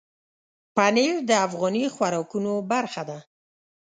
پنېر د افغاني خوراکونو برخه ده.